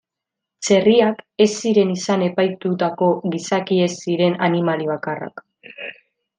Txerriak ez ziren izan epaitutako gizaki ez ziren animalia bakarrak.